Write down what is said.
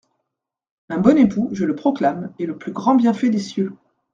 Un bon époux, je le proclame, Est le plus grand bienfait des cieux !…